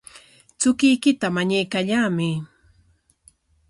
Chukuykita mañaykallamay.